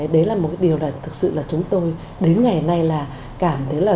đấy là một cái điều là thực sự là chúng tôi đến ngày nay là cảm thấy là